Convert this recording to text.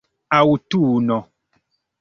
aŭtuno